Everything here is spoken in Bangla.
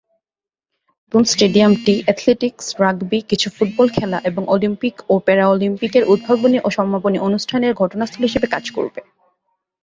নতুন স্টেডিয়ামটি অ্যাথলেটিকস, রাগবি, কিছু ফুটবল খেলা এবং অলিম্পিক ও প্যারা অলিম্পিকের উদ্বোধনী ও সমাপনী অনুষ্ঠানের ঘটনাস্থল হিসাবে কাজ করবে।